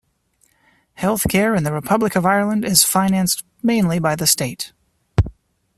Healthcare in the Republic of Ireland is financed mainly by the state.